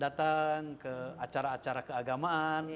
datang ke acara acara keagamaan